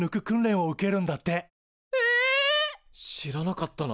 知らなかったな。